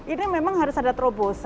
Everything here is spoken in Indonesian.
ini memang harus ada terobosan